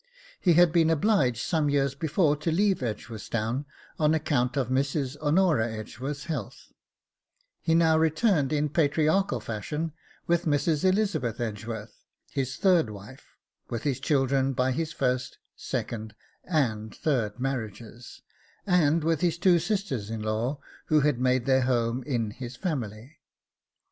He had been obliged some years before to leave Edgeworthstown on account of Mrs. Honora Edgeworth's health; he now returned in patriarchal fashion with Mrs. Elizabeth Edgeworth, his third wife, with his children by his first, second, and third marriages, and with two sisters in law who had made their home in his family.